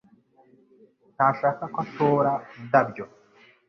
Ntashaka ko atora indabyo